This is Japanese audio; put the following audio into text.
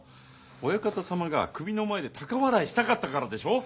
オヤカタ様が首の前で高笑いしたかったからでしょう？